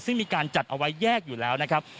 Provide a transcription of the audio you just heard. ซึ่งมีการจัดเอาไว้แยกอยู่แล้วนะครับ